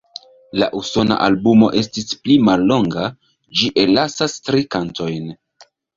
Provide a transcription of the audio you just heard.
La Usona albumo estis pli mallonga; ĝi ellasas tri kantojn.